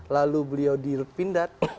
lalu beliau di lutpindad